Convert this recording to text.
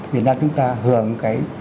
việt nam chúng ta hưởng cái